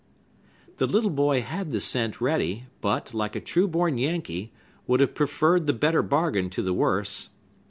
The little boy had the cent ready, but, like a true born Yankee, would have preferred the better bargain to the worse.